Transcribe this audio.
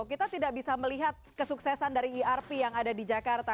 kita tidak bisa melihat kesuksesan dari irp yang ada di jakarta